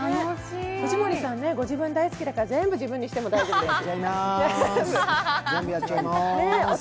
藤森さん、ご自分大好きだから、全部自分にしても大丈夫です。